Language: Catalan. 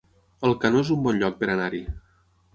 Alcanó es un bon lloc per anar-hi